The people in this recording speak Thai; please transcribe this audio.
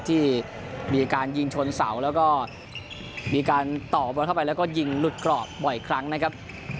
ที่มีการยิงชนเสาแล้วก็มีการต่อบอลเข้าไปแล้วก็ยิงหลุดกรอบบ่อยครั้งนะครับ